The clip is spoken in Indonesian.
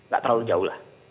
gak terlalu jauh lah